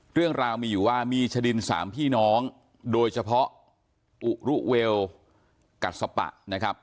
เรื่องราวมีอยู่ว่ามีชะดินสามพี่น้องโดยเฉพาะอุรุเวลกัสปะนะครับ